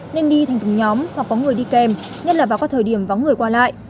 nên đi thành nhóm hoặc có người đi kèm nhất là vào các thời điểm vắng người qua lại